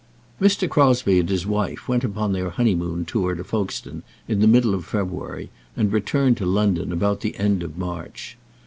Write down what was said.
[ILLUSTRATION: (untitled)] Mr. Crosbie and his wife went upon their honeymoon tour to Folkestone in the middle of February, and returned to London about the end of March.